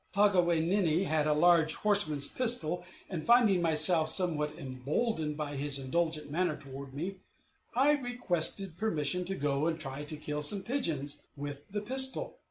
Taw ga we ninne had a large horseman's pistol; and, finding myself somewhat emboldened by his indulgent manner toward me, I requested permission to go and try to kill some pigeons with the pistol.